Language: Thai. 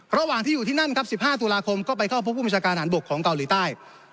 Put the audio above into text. ระหว่างที่อยู่ที่นั่นครับ๑๕ตุลาคมก็ไปเข้าพบผู้บัญชาการฐานบกของเกาหลีใต้